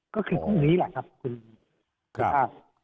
ก็คือพรุ่งนี้แหละครับคุณสุภาพ